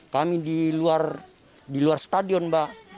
kami di luar stadion mbak